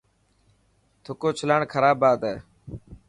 ٿڪ اوچلاڻ خراب بات هي.